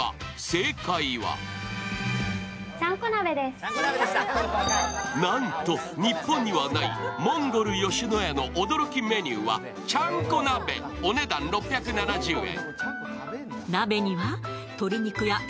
正解はなんと日本にはないモンゴル吉野家の驚きメニューはちゃんこ鍋、お値段６７０円。